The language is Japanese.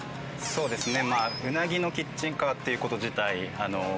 そうですね。